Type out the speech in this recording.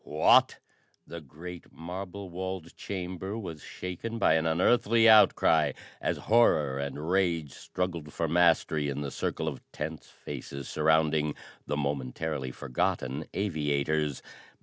"What?" The great marble walled chamber was shaken by an unearthly outcry as horror and rage struggled for mastery in the circle of tense faces surrounding the momentarily forgotten aviators.